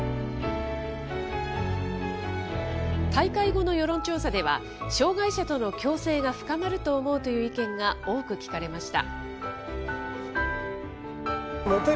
大会後の世論調査では、障害者との共生が深まると思うという意見が多く聞かれました。